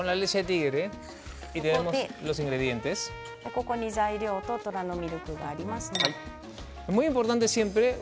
ここに材料と虎のミルクがあります。